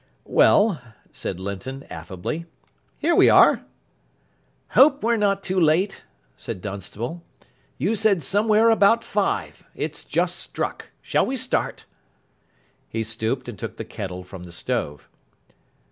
"Well," said Linton, affably, "here we are." "Hope we're not late," said Dunstable. "You said somewhere about five. It's just struck. Shall we start?" He stooped, and took the kettle from the stove.